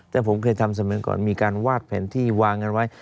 แต่ผมเคยทำสมัยก่อนมีการวาดแผนที่วางกันไว้